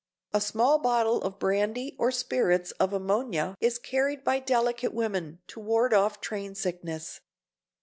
A small bottle of brandy or spirits of ammonia is carried by delicate women to ward off train sickness.